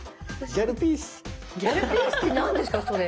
「ギャルピースって何ですかそれ？」。